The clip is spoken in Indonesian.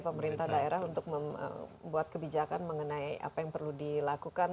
pemerintah daerah untuk membuat kebijakan mengenai apa yang perlu dilakukan